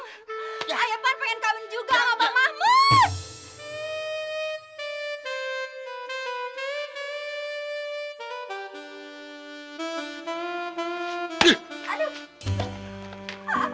ayah pan pengen kawin juga sama bang mahmut